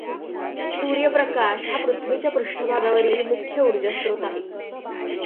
सूर्यप्रकाश हा पृथ्वीच्या पृष्ठभागावरील मुख्य उर्जास्रोत आहे.